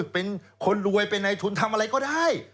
เป็นคนรวยเป็นในทุนทำอะไรก็ได้